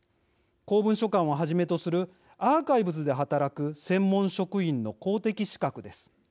公文書館をはじめとするアーカイブズで働く専門職員の公的資格です。